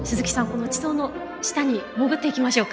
この地層の下に潜っていきましょうか。